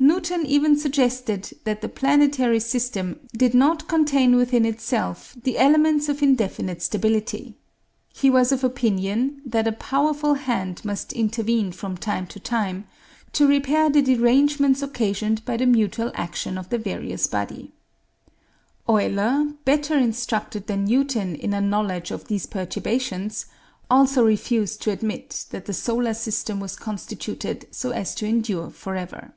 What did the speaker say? Newton even suggested that the planetary system did not contain within itself the elements of indefinite stability. He was of opinion that a powerful hand must intervene from time to time to repair the derangements occasioned by the mutual action of the various bodies. Euler, better instructed than Newton in a knowledge of these perturbations, also refused to admit that the solar system was constituted so as to endure forever.